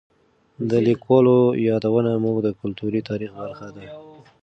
د لیکوالو یادونه زموږ د کلتوري تاریخ برخه ده.